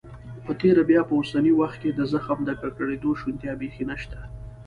په تیره بیا په اوسني وخت کې د زخم د ککړېدو شونتیا بيخي نشته.